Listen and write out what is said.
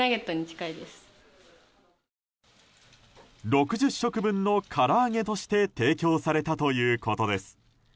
６０食分のから揚げとして提供されたということです。